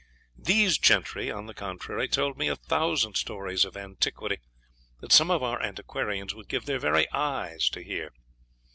These gentry, on the contrary, told me a thousand stories of antiquity that some of our antiquarians would give their very eyes to hear.